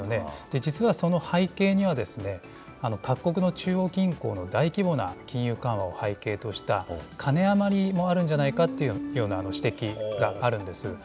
実はその背景には、各国の中央銀行の大規模な金融緩和を背景とした金余りもあるんじゃないかというような指摘があるんです。